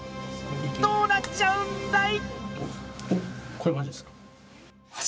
どうなっちゃうんだい！